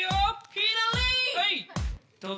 左！